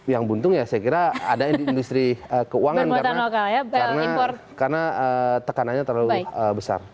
yang buntung ya saya kira ada di industri keuangan karena tekanannya terlalu besar